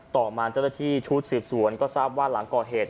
ต่อมาเจ้าหน้าที่ชุดสืบสวนก็ทราบว่าหลังก่อเหตุ